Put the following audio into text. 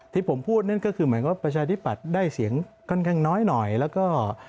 ที่ผมพูดนั่นก็คือเหมือนว่าประชาธิปัตย์ได้เสียงค่อนข้างน้อยหน่อยแล้วก็